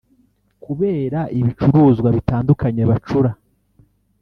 kubera ibicuruzwa bitandukanye bacura